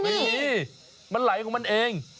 ไม่มีมันไหลของมันเอง